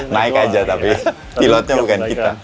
naik aja tapi pilotnya bukan kita